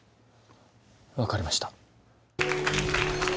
分かりました。